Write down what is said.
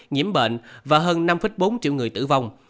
nhiễm bệnh và hơn năm bốn triệu người tử vong